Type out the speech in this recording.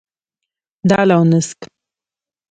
دال او نسک.